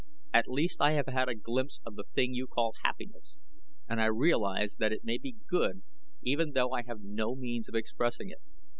At least I have had a glimpse of the thing you call happiness and I realize that it may be good even though I have no means of expressing it.